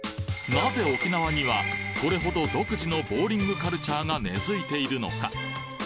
なぜ沖縄にはこれほど独自のボウリングカルチャーが根付いているのか？